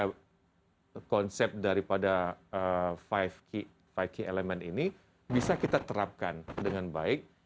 maka konsep daripada five key element ini bisa kita terapkan dengan baik